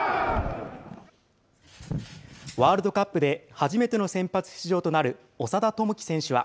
ワールドカップで初めての先発出場となる長田智希選手は。